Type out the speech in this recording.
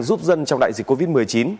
giúp dân trong đại dịch covid một mươi chín